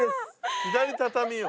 左畳よ。